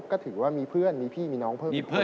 ก็ถือว่ามีเพื่อนมีพี่มีน้องเพิ่ม